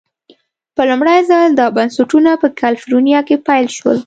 په لومړي ځل دا بنسټونه په کلفورنیا کې پیل شول.